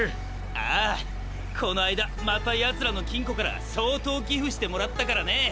ああこの間またヤツらの金庫から相当寄付してもらったからね。